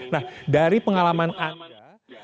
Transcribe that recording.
nah dari pengalaman anda